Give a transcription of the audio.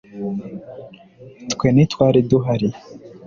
twe ntitwari duhari